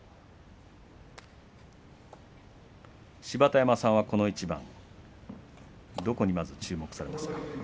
芝田山さんはこの一番どこにまず注目されますか。